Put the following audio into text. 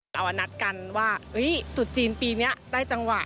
เรานัดกันว่าตุดจีนปีนี้ได้จังหวะ